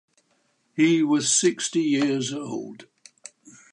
He was sixty years old.